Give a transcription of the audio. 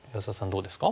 どうですか？